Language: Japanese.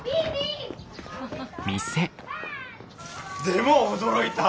でも驚いた！